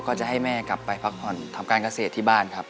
ก็จะให้แม่กลับไปพักผ่อนทำการเกษตรที่บ้านครับ